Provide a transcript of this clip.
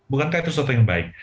bukankah itu sesuatu yang baik